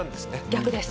逆です。